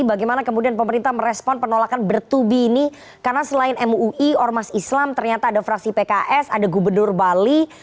bagaimana kemudian pemerintah merespon penolakan bertubi ini karena selain mui ormas islam ternyata ada fraksi pks ada gubernur bali